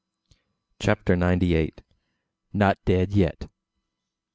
CHAPTER NINETY EIGHT. NOT DEAD YET.